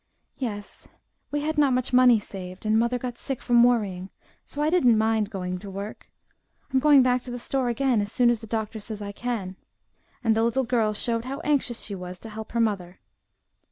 "Yes, we had not much money saved, and mother got sick from worrying, so I did not mind going to work. I'm going back to the store again as soon as the doctor says I can," and the little girl showed how anxious she was to help her mother.